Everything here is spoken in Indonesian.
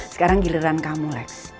sekarang giliran kamu lex